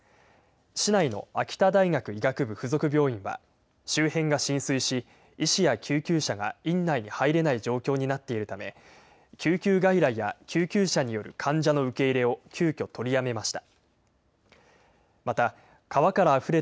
市内の秋田大学医学部附属病院は周辺が浸水し医師や救急車が院内に入れない状況になっているため救急外来や救急車による患者の受け入れを急きょ取りやめました。